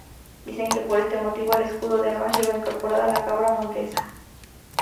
Dicen que por este motivo el escudo de armas lleva incorporada la cabra montesa.